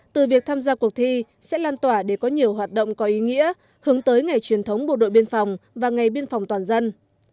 từ việc tham gia cuộc thi sẽ lan tỏa để có nhiều hoạt động có ý nghĩa hướng tới ngày truyền thống bộ đội biên phòng và ngày biên phòng toàn dân